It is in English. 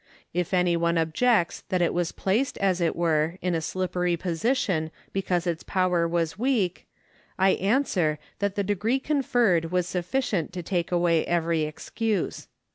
If any one objects that it was placed, as it were, in a slippery position because its power was weak, I answer, that the degree conferred was sufficient to take away every excuse.